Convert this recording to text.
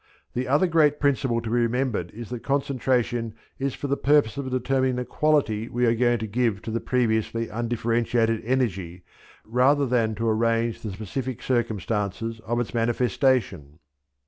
The other great principle to be remembered is that concentration is for the purpose of determining the quality we are going to give to the previously undifferentiated energy rather than to arrange the specific circumstances of its manifestation.